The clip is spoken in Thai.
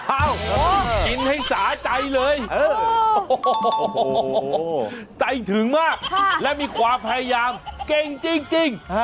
กินให้สาใจเลยใจถึงมากและมีความพยายามเก่งจริง